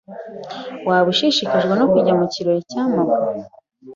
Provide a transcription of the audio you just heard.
Waba ushishikajwe no kujya mu kirori cya mabwa?